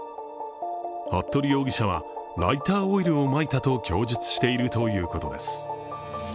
服部容疑者は、ライターオイルをまいたと供述しているということです。